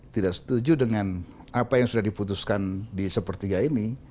tidak setuju dengan apa yang sudah diputuskan di sepertiga ini